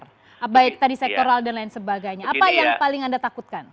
jadi tadi sektoral dan lain sebagainya apa yang paling anda takutkan